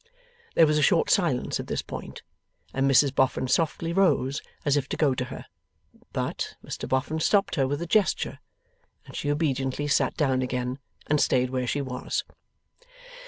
There was a short silence at this point, and Mrs Boffin softly rose as if to go to her. But, Mr Boffin stopped her with a gesture, and she obediently sat down again and stayed where she was.